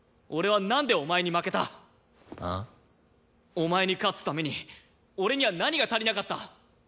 お前に勝つために俺には何が足りなかった？